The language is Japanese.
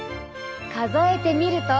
数えてみると。